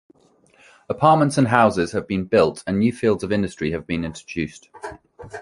Apartments and houses have been built and new fields of industry has been introduced.